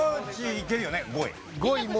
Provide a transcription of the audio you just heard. いけるよね？